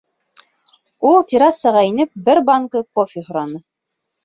Ул, Террасаға инеп, бер банка кофе һораны.